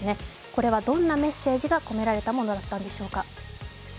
これはどんなメッセージが込められたものだったんでしょうか。